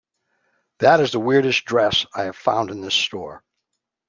That is the weirdest dress I have found in this store.